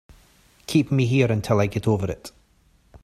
Keep me here until I get over it.